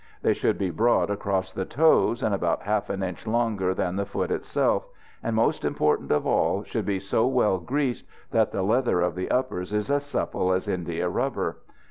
They should be broad across the toes, and about half an inch longer than the foot itself; and, most important of all, should be so well greased that the leather of the uppers is as supple as india rubber.